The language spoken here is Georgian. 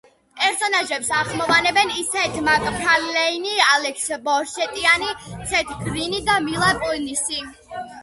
პერსონაჟებს ახმოვანებენ სეთ მაკფარლეინი, ალექს ბორშტეინი, სეთ გრინი და მილა კუნისი.